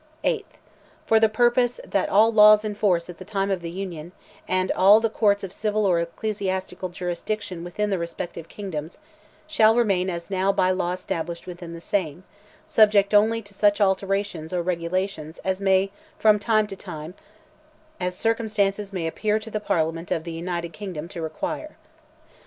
8th. "For the like purpose, that all laws in force at the time of the Union, and all the courts of civil or ecclesiastical jurisdiction within the respective kingdoms, shall remain as now by law established within the same, subject only to such alterations or regulations as may from time to time as circumstances may appear to the Parliament of the United Kingdom to require."